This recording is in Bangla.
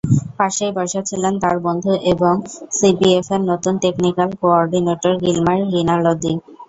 পাশেই বসা ছিলেন তাঁর বন্ধু এবং সিবিএফের নতুন টেকনিক্যাল কো-অর্ডিনেটর গিলমার রিনালদি।